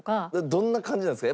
どんな感じなんですか？